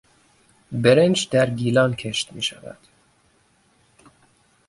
برنج در گیلان کشت میشود.